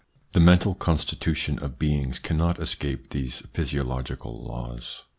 The mental constitution of beings cannot escape these physiological laws.